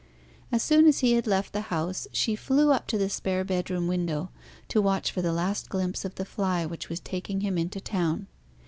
As soon as he had left the house she flew up to a spare bedroom window, to watch for the last glimpse of the fly which was taking him into the town.